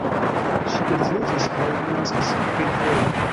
Ŝi edziniĝis kaj naskis kvinfoje.